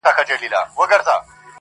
د پلرونو د نیکونو له داستانه یمه ستړی٫